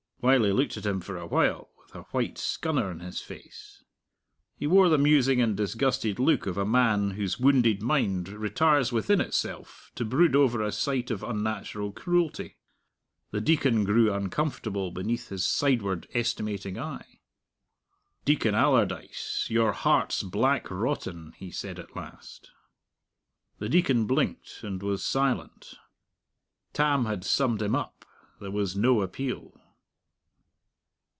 Wylie looked at him for a while with a white scunner in his face. He wore the musing and disgusted look of a man whose wounded mind retires within itself to brood over a sight of unnatural cruelty. The Deacon grew uncomfortable beneath his sideward, estimating eye. "Deacon Allardyce, your heart's black rotten," he said at last. The Deacon blinked and was silent. Tam had summed him up. There was no appeal.